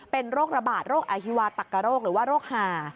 เป็นโรคระบาดโรคอฮิวาตักกะโรคหรือว่าโรคหา